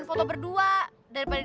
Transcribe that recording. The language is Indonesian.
ibu tak pernah menang